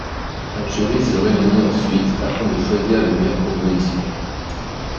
Un jury se réunit ensuite afin de choisir les meilleures propositions.